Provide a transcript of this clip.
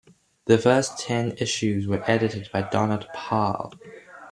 The first ten issues were edited by Donald Parr.